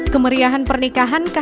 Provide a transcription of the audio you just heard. kepala kepala kepala